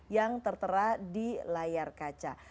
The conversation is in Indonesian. yang tertera di layar kaca